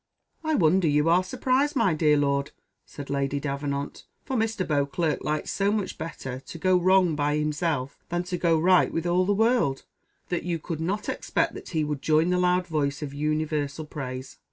"I wonder you are surprised, my dear Lord," said Lady Davenant, "for Mr. Beauclerc likes so much better to go wrong by himself than to go right with all the world, that you could not expect that he would join the loud voice of universal praise."